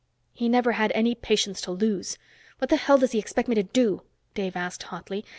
"He never had any patience to lose. What the hell does he expect me to do?" Dave asked hotly.